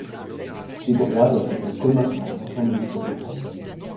Ces droits doivent être communs à l'ensemble du peuple français.